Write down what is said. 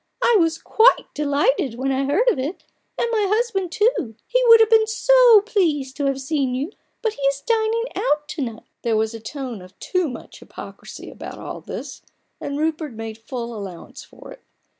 I was quite delighted when I heard of it, and my husband too. He would have been so pleased to have seen you, but he is dining out to night." There was a tone of too much hypocrisy about all this, and Rupert made full allowance for it.